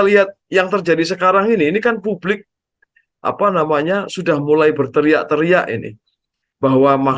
lihat yang terjadi sekarang ini ini kan publik apa namanya sudah mulai berteriak teriak ini bahwa